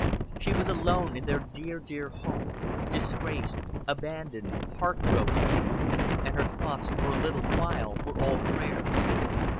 She was alone in their dear, dear home, disgraced, abandoned, heart broken; and her thoughts for a little while were all prayers.